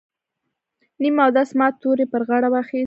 نیم اودس مات تور یې پر غاړه واخیست.